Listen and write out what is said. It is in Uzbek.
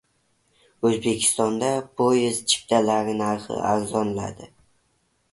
O‘zbekistonda poezd chiptalari narxi arzonladi